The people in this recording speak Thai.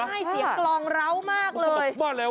ใช่เสียกลองเหล้ามากเลย